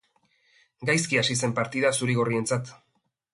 Gaizki hasi zen partida zuri-gorrientzat.